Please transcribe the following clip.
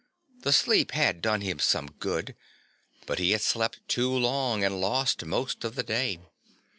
The sleep had done him some good, but he had slept too long and lost most of the day.